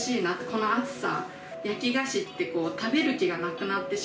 この暑さ。